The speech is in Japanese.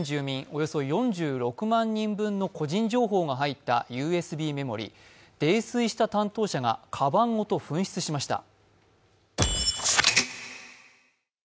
およそ４６万人分の個人情報が入ったＵＳＢメモリー、泥酔した担当者がかばんごと紛失しました。